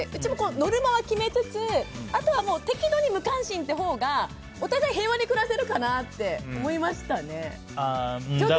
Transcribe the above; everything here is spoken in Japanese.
ノルマは決めつつ、あとは適度に無関心っていうほうがお互い平和に暮らせるかなって思いましたね。